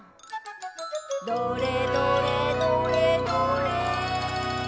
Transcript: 「どれどれどれどれ」